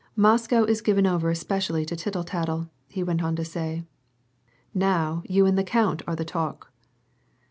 Moscow is given over especially to tittle tattle," he went on to say. "Now you and the count are the talk."